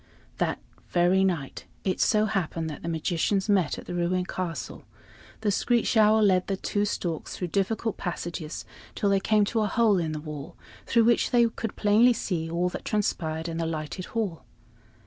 That very night it so happened that the magicians met at the ruined castle. The screech owl led the two storks through difficult passages till they came to a hole in the wall, through which they could plainly see all that transpired in the lighted hall.